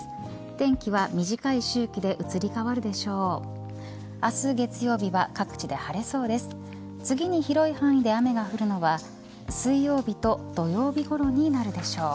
天気は短い周期で移り変わるでしょう。